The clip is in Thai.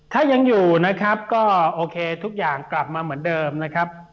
ถ้ายังอยู่นะครับก็โอเคทุกอย่างกลับมาเหมือนเดิมนะครับ